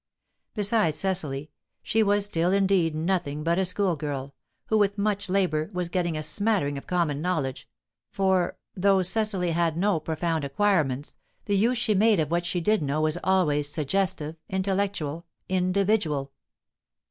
Beside Cecily, she was still indeed nothing but a school girl, who with much labour was getting a smattering of common knowledge; for, though Cecily had no profound acquirements, the use she made of what she did know was always suggestive, intellectual, individual.